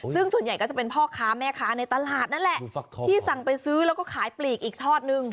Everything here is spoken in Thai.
ซึ่งส่วนใหญ่ก็จะเป็นพ่อค้าแม่ค้าในตลาดนั่นแหละที่สั่งไปซื้อแล้วก็ขายปลีกอีกทอดนึง